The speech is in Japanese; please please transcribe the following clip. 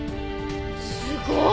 すごい！